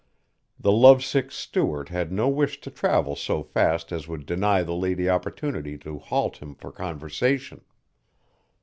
The love sick Stuart had no wish to travel so fast as would deny the lady opportunity to halt him for conversation.